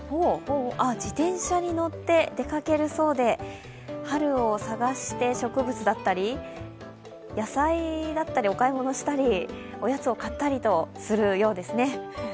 自転車に乗って出かけるそうで春を探して植物だったり野菜だったりお買い物したりおやつを買ったりするようですね。